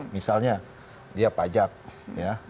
misalnya dia pajak ya